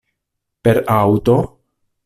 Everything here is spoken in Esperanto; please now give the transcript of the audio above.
Per aŭto?